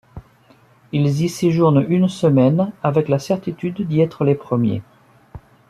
Ils y séjournent une semaine avec la certitude d’y être les premiers.